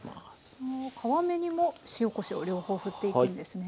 皮目にも塩・こしょう両方ふっていくんですね。